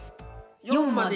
４まで。